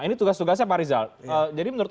ini tugas tugasnya pak rizal jadi menurut